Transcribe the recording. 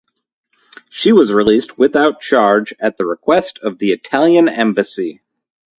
She was released without charge at the request of the Italian embassy.